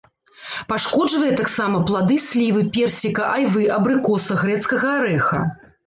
Пашкоджвае таксама плады слівы, персіка, айвы, абрыкоса, грэцкага арэха.